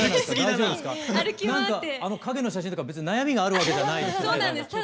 何かあの影の写真とか別に悩みがあるわけじゃないですよね。